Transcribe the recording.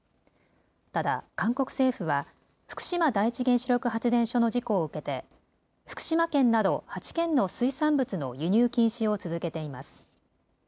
ただ、韓国政府は福島第一原子力発電所の事故を受けて福島県など８県の水産物の輸入禁止を続けています。